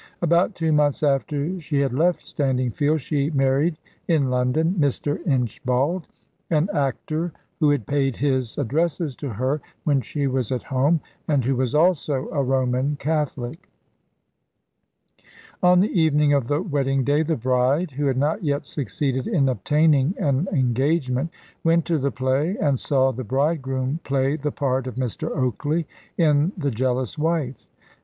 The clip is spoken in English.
About two months after she had left Standingfield she married, in London, Mr. Inchbald, an actor, who had paid his addresses to her when she was at home, and who was also a Roman Catholic. On the evening of the wedding day the bride, who had not yet succeeded in obtaining an engagement, went to the play, and saw the bridegroom play the part of Mr. Oakley in the "Jealous Wife."